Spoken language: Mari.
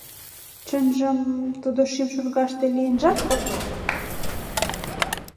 Чынжым, тудо Шимшургаште лийынжат огыл.